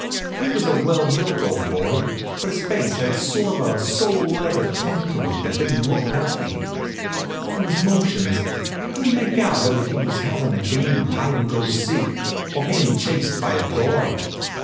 He was a well built old boy, but his face had sort of a sole leather tint to it that didn't look healthy. From his motions I couldn't make out whether he was havin' a game of hide and go seek or was bein' chased by a dog.